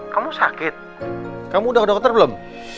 kamu sakit kamu udah dokter belum